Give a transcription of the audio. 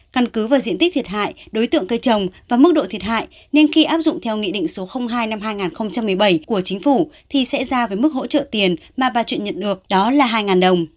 căn cứ vào diện tích thiệt hại đối tượng cây trồng và mức độ thiệt hại nên khi áp dụng theo nghị định số hai năm hai nghìn một mươi bảy của chính phủ thì sẽ ra với mức hỗ trợ tiền mà bà chuyện nhận được đó là hai đồng